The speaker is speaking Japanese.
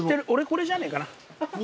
これじゃねえかな。